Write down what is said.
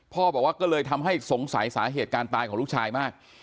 บอกว่าก็เลยทำให้สงสัยสาเหตุการตายของลูกชายมาก